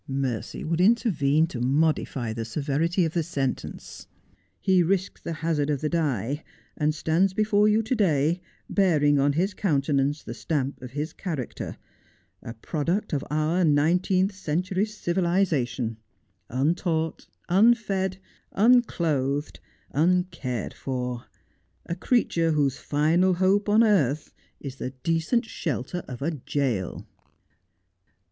Mercy would intervene to modify the severity of the sentence. He risked the hazard of the die, and stands before you to day, bearing on his countenance the stamp of his character, a product of our nineteenth century civilization, untaught, unfed, unclothed, uncared for, a creature whose final hope on earth is the decent shelter of a jail.'